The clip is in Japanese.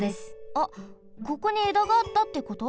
あここにえだがあったってこと？